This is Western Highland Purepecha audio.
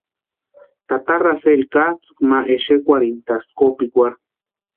Tata Rafeli katsʼïkwa ma xekwarhintʼaspti kopikwarhu.